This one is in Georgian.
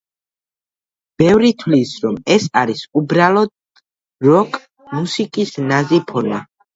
ბევრი თვლის, რომ ეს არის უბრალოდ როკ-მუსიკის ნაზი ფორმა.